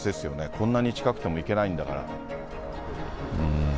こんなに近くても行けないんだから。